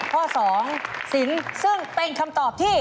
ข้อ๒สินซึ่งเป็นคำตอบที่